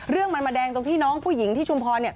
เรื่องมันมาแดงตรงที่น้องผู้หญิงที่ชุมพร